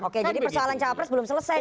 oke jadi persoalan cawapres belum selesai